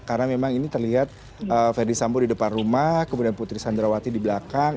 karena memang ini terlihat ferdisambo di depan rumah kemudian putri sandrawati di belakang